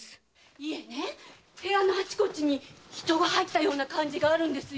いえ部屋のあちこちに人が入ったような感じがあるんですよ。